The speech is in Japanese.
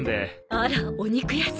あらお肉屋さん？